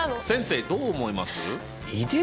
先生どう思います？